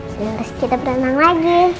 terus kita berenang lagi